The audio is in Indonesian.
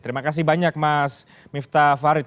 terima kasih banyak mas miftah farid